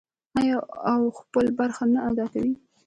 آیا او خپله برخه نه ادا کوي؟